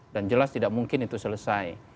dan jelas tidak mungkin itu selesai